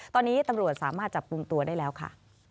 ตอนนี้ตำรวจสามารถจับกลุ่มตัวได้แล้วค่ะ